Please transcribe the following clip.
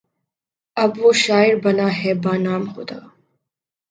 اب وہ شاعر بنا ہے بہ نام خدا